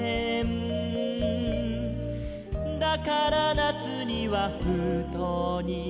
「だから夏には封筒に」